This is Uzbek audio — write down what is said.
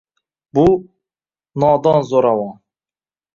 Bu — nodon zo’ravon!